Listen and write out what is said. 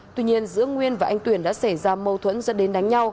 tuy nhiên giữa nguyên và anh tuyển đã xảy ra mâu thuẫn dẫn đến đánh nhau